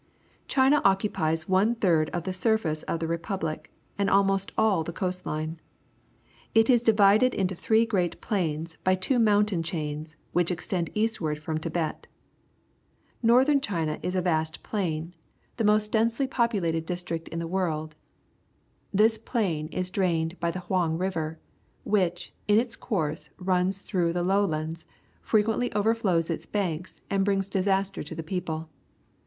— China occupies one third of the surface of the Repubhc and al most all the coast line. It is divided into three great plains by two mountain chains, which extend eastward from Tibet. Northern China is a vast plain, the most 218 PUBLIC SCHOOL^^GggGR^Pp densely populated district in the world./ milder, produces ric e, wheat, tea, sugar cane. This plain is drained by the Hivang Riv ex! ai which, in its course through the lowlands, frequently overflows its banks and brings disaster to the people.